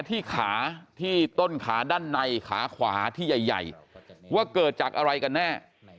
ที่ขาที่ต้นขาด้านในขาขวาที่ใหญ่ว่าเกิดจากอะไรกันแน่